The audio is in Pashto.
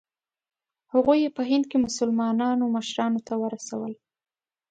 هغوی یې په هند کې مسلمانانو مشرانو ته ورسول.